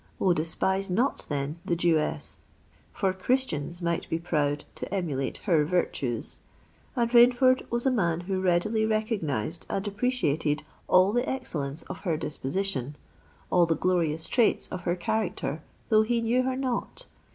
Oh! despise not, then, the Jewess—for Christians might be proud to emulate her virtues! And Rainford was a man who readily recognised and appreciated all the excellence of her disposition—all the glorious traits of her character, though he knew her not.